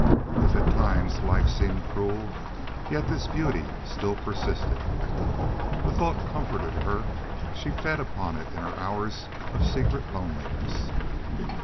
If at times life seemed cruel, yet this beauty still persisted. The thought comforted her; she fed upon it in her hours of secret loneliness.